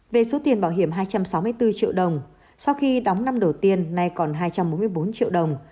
về số tiền bảo hiểm hai trăm sáu mươi bốn triệu đồng sau khi đóng năm đầu tiên nay còn hai trăm bốn mươi bốn triệu đồng